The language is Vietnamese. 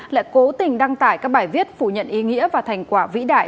lại cố tình đăng tải các bài viết phủ nhận ý nghĩa và thành quả vĩ đại